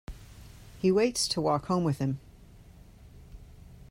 He waits to walk home with him.